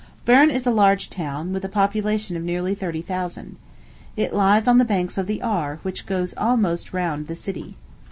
Berne is a large town, with a population of nearly thirty thousand. It lies on the banks of the Aar, which goes almost round the city.